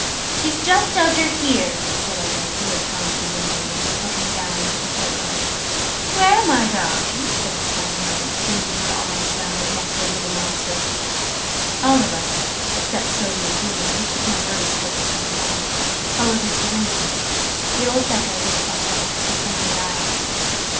"He's just under here," said Uggug, who had gone to the window, and was looking down into the court yard. "Where, my darling?" said his fond mother, flinging her arms round the neck of the little monster. All of us (except Sylvie and Bruno, who took no notice of what was going on) followed her to the window. The old Beggar looked up at us with hungry eyes.